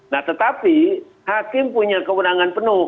nah tetapi hakim punya kewenangan penuh